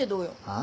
あ？